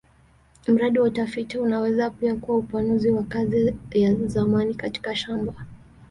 Mradi wa utafiti unaweza pia kuwa upanuzi wa kazi ya zamani katika shamba.